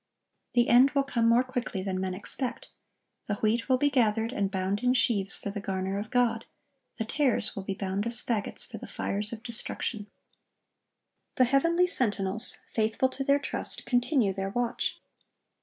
(1083) The end will come more quickly than men expect. The wheat will be gathered and bound in sheaves for the garner of God; the tares will be bound as fagots for the fires of destruction. The heavenly sentinels, faithful to their trust, continue their watch.